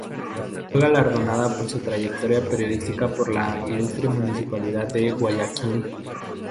Fue galardonada por su trayectoria periodística por la Muy Ilustre Municipalidad de Guayaquil.